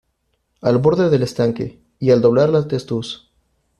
Al borde del estanque, y al doblar la testuz.